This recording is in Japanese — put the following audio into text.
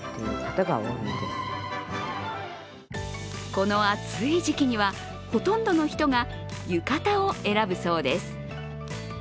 この暑い時期には、ほとんどの人が浴衣を選ぶそうです。